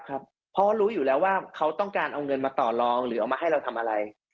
เพราะรู้อยู่แล้วว่าเขาต้องการเอาเงินมาต่อลองหรือเอามาให้เราทำอะไร